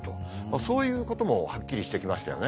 そういうこともはっきりして来ましたよね。